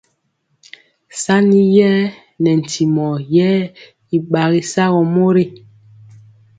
Saniyer nɛ ntimɔ ye y gbagi sagɔ mori.